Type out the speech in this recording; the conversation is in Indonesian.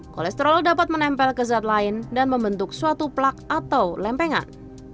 kolesterol dapat menempel ke zat lain dan membentuk suatu plak atau lempengan